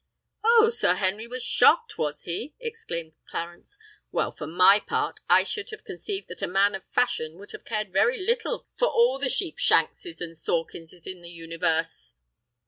"Oh! Sir Henry was shocked, was he?" exclaimed Clarence. "Well, for my part, I should have conceived that a man of fashion would have cared very little for all the Sheepshanks' and Sawkins' in the universe."